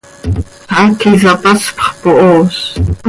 Haac isapaspx pohos.